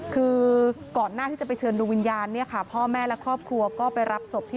คือก่อนหน้าที่จะไปเชิญดวงวิญญาณเนี่ยค่ะพ่อแม่และครอบครัวก็ไปรับศพที่